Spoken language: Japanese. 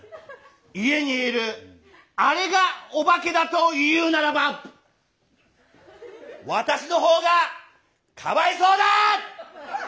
家にいるあれがお化けだというならば私の方がかわいそうだ！」。